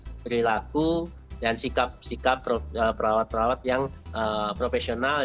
bagaimana membelak pada pihak masyarakat dari berlaku dan sikap perawat perawat yang profesional